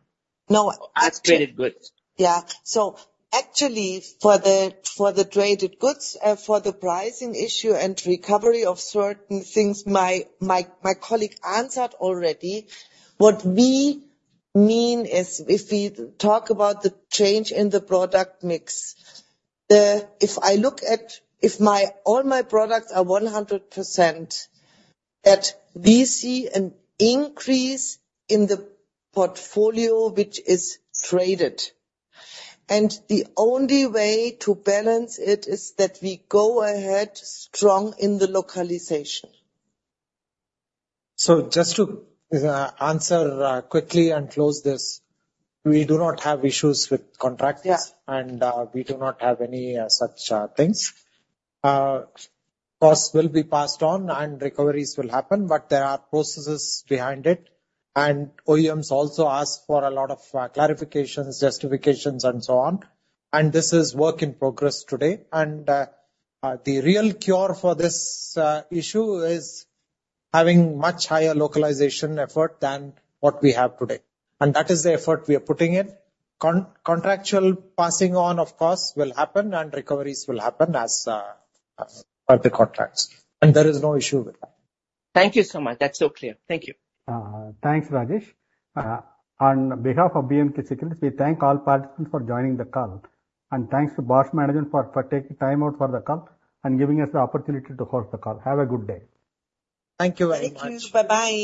No. As traded goods. Yeah. So actually, for the traded goods, for the pricing issue and recovery of certain things, my colleague answered already. What we mean is, if we talk about the change in the product mix, if I look at, if my all my products are 100%, that we see an increase in the portfolio which is traded, and the only way to balance it is that we go ahead strong in the localization. Just to answer quickly and close this, we do not have issues with contracts. Yeah. And we do not have any such things. Costs will be passed on and recoveries will happen, but there are processes behind it, and OEMs also ask for a lot of clarifications, justifications, and so on, and this is work in progress today. And the real cure for this issue is having much higher localization effort than what we have today, and that is the effort we are putting in. Contractual passing on of costs will happen, and recoveries will happen as per the contracts, and there is no issue with that. Thank you so much. That's so clear. Thank you. Thanks, Rajesh. On behalf of B&K Securities, we thank all participants for joining the call. Thanks to Bosch management for taking time out for the call and giving us the opportunity to host the call. Have a good day. Thank you very much. Thank you. Bye-bye.